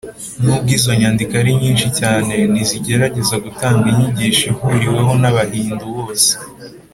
nubwo izo nyandiko ari nyinshi cyane, ntizigerageza gutanga inyigisho ihuriweho n’abahindu bose.